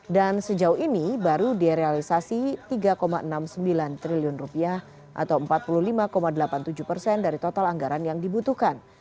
dan sejauh ini baru direalisasi rp tiga enam puluh sembilan triliun atau empat puluh lima delapan puluh tujuh persen dari total anggaran yang dibutuhkan